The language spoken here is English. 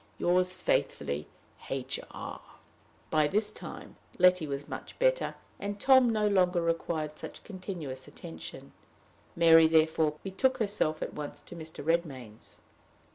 Yours faithfully, H. R." By this time, Letty was much better, and Tom no longer required such continuous attention; Mary, therefore, betook herself at once to Mr. Redmain's.